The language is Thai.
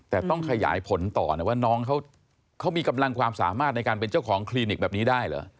แต่ต้องขยายผลต่อนะว่าน้องเขามีกำลังความสามารถในการเป็นเจ้าของคลินิกแบบนี้ได้เหรอ